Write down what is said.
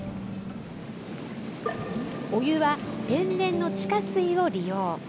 お湯は天然の地下水を利用。